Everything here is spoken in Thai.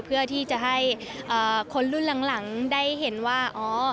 เพื่อที่จะให้คนรุ่นหลังได้เห็นว่าอ๋อ